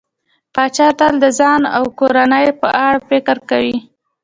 پاچا تل د ځان او کورنۍ په اړه فکر کوي.